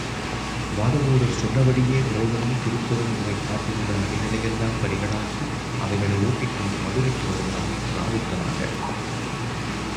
வாதவூரர் சொன்னபடியே இறைவனும், திருப்பெருந்துறைக் காட்டிலுள்ள நரிகளையெல்லாம் பரிகளாக்கி அவைகளை ஓட்டிக்கொண்டு மதுரைக்கு வருகிறான் ராவுத்தனாக.